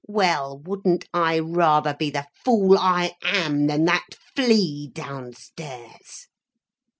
"Well, wouldn't I rather be the fool I am, than that flea downstairs?"